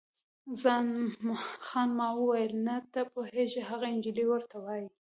خان زمان وویل: نه، ته پوهېږې، هغه انجلۍ ورته وایي.